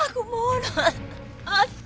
aku mau lepas